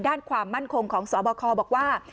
ด้านความมั่นคงของสบคบอกว่า